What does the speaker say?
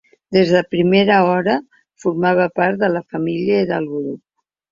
Des de primera hora formava part de la família i del grup.